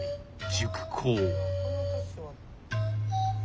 熟考。